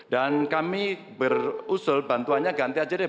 dan kami berusul bantuannya ganti aja deh